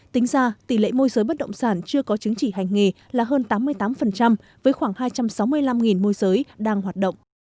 tính ra tỷ lệ môi giới bất động sản chưa có chứng chỉ hành nghề là hơn tám mươi tám với khoảng hai trăm sáu mươi năm môi giới đang hoạt động